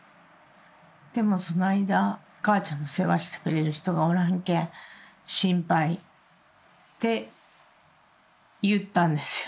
「でもその間かあちゃんの世話してくれる人がおらんけん心配」って言ったんですよ。